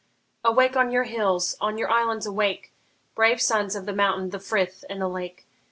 Awake on your hills, on your islands awake, Brave sons of the mountain, the frith, and the lake!